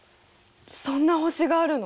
そんな星があるの？